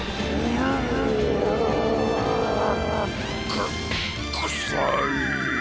くくさい。